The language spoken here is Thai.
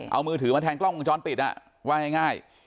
เอามือถือมาแทงกล้องวงจรปิดว่าง่าย